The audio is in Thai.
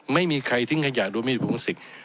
ไม่มีใครทิ้งขยะรวมมีถุงพลาสติก